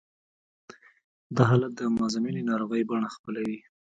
دا حالت د مزمنې ناروغۍ بڼه خپلوي